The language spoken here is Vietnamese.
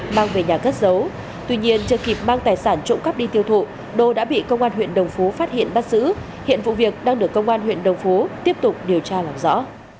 mang về nhà cất giấu tuy nhiên chưa kịp mang tài sản trộm cắp đi tiêu thụ đô đã bị công an huyện đồng phú phát hiện bắt giữ hiện vụ việc đang được công an huyện đồng phú tiếp tục điều tra làm rõ